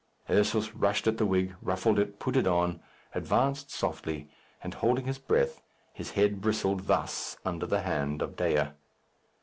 Ursus rushed at the wig, ruffled it, put it on, advanced softly, and holding his breath, his head bristled thus under the hand of Dea.